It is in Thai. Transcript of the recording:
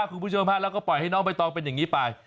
คุณผู้ชมฮะแล้วก็ปล่อยให้น้องใบตองเป็นอย่างนี้ไป